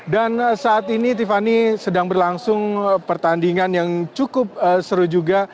dan saat ini tiffany sedang berlangsung pertandingan yang cukup seru juga